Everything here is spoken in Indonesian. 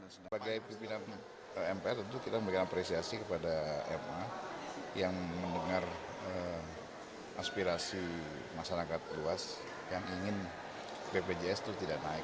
sebagai pimpinan mpr tentu kita memberikan apresiasi kepada ma yang mendengar aspirasi masyarakat luas yang ingin bpjs itu tidak naik